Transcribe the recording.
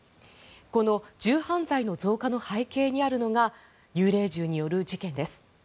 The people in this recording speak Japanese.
この銃犯罪の増加の背景にあるのが幽霊銃による事件です。